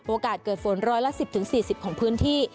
โอกาสเกิดฝนร้อยละ๑๐๔๐ของพื้นที่